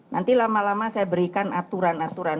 nanti lama lama saya berikan aturan aturan